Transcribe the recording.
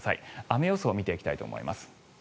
雨予想を見ていきたいと思います。